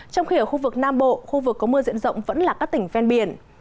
trong khi ở khu vực nam bộ khu vực có mưa diện rộng vẫn là các tỉnh ven biển